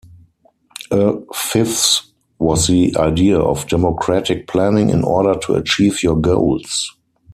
A fifth was the idea of democratic planning in order to achieve your goals.